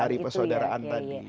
tali persaudaraan tadi